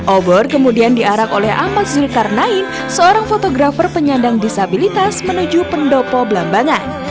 obor kemudian diarak oleh ahmad zulkarnain seorang fotografer penyandang disabilitas menuju pendopo belambangan